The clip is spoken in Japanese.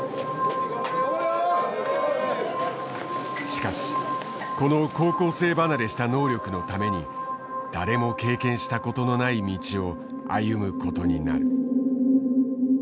しかしこの高校生離れした能力のために誰も経験したことのない道を歩むことになる。